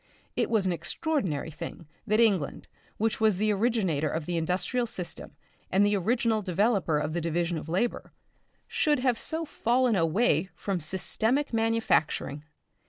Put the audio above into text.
It was an extraordinary thing that England, which was the originator of the industrial system and the original developer of the division of labour, should have so fallen away from systematic manufacturing.